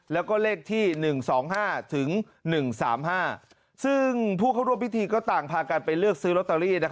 แล้วก็เลขที่๑๒๕ถึง๑๓๕ซึ่งผู้เข้าร่วมพิธีก็ต่างพากันไปเลือกซื้อลอตเตอรี่